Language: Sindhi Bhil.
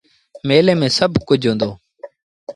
ميلي مييٚن سڀ ڪجھ هُݩدو۔